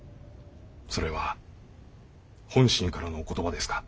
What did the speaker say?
それは本心からのお言葉ですか。